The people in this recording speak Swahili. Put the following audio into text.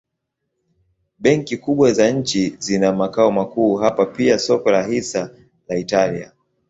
Benki kubwa za nchi zina makao makuu hapa pia soko la hisa la Italia.